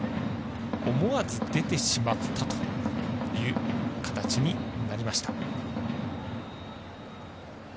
思わず出てしまったという形になりました。